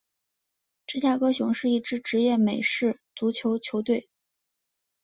芝加哥熊是一支职业美式足球球队。